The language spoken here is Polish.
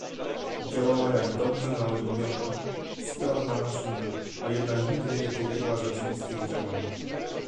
Działała jak dobrze naoliwiona, sprawna maszyna, a jednak nigdy nie podjęła rzeczywistych działań